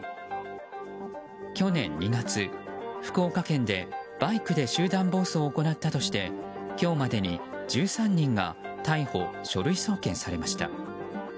去年２月、福岡県でバイクで集団暴走を行ったとして今日までに１３人が逮捕・書類送検されました。